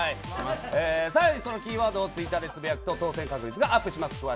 さらにそのキーワードをツイッターでつぶやくと当選確率がアップします。